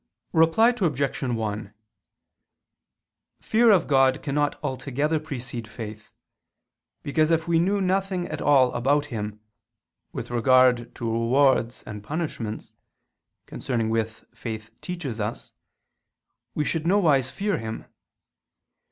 Reply Obj. 1: Fear of God cannot altogether precede faith, because if we knew nothing at all about Him, with regard to rewards and punishments, concerning which faith teaches us, we should nowise fear Him.